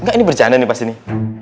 enggak ini berjalan nih pasti nih